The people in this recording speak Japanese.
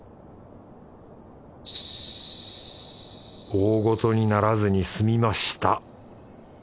大ごとにならずに済みました。